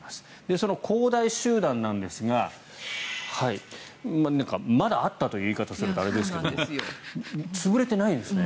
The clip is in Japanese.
その恒大集団ですがなんか、まだあったという言い方をするとあれなんですが潰れていないんですね。